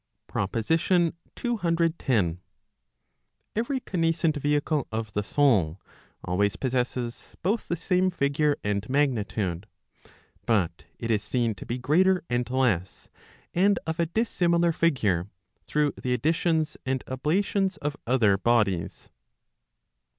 PROPOSITION CCX. Every connascent vehicle of the soul, always possesses both the same figure and magnitude. But it is seen to be greater and less, and of a dissimilar figure, through the additions and ablations of other bodies.